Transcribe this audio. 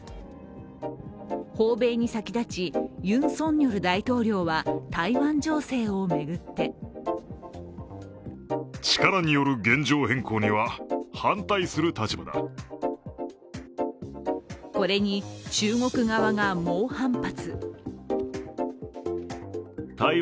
訪米に先立ちユン・ソンニョル大統領は台湾情勢を巡ってこれに中国側が猛反発。